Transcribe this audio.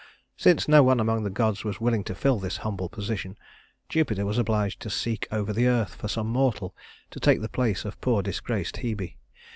Since no one among the gods was willing to fill this humble position, Jupiter was obliged to seek over the earth for some mortal to take the place of poor disgraced Hebe.